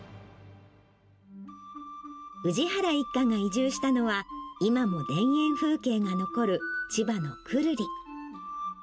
氏原一家が移住したのは、今も田園風景が残る千葉の久留里。